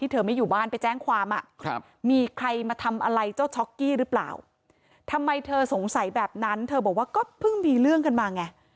เธอก็สงสัยแบบนั้นเธอบอกว่าก็เพิ่งมีเรื่องกันมาไง